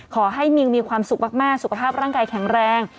ขอให้มิวมีความสุขมากสุขภาพร่างกายแข็งแรง